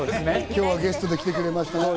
今日はゲストで来てくれました。